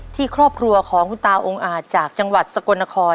ครอบครัวของคุณตาองค์อาจจากจังหวัดสกลนคร